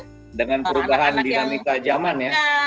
dengan perubahan dinamika zaman ya